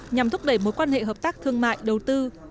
nhằm thúc đẩy mối quan hệ hợp tác thương mại đầu tư